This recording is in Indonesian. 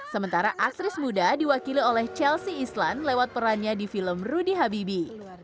sementara aktris muda diwakili oleh chelsea islan lewat perannya di film rudy habibi